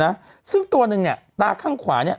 หลายสิ้นตัวนึงเนี่ยตาข้างขวาเนี้ย